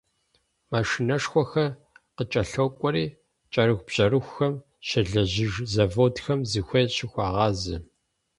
Машинэшхуэхэр къыкӏэлъокӏуэри, кӏэрыхубжьэрыхухэм щелэжьыж заводхэм зыхуей щыхуагъазэ.